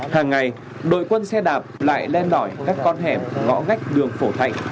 hàng ngày đội quân xe đạp lại lên đòi các con hẻm ngõ gách đường phổ thạnh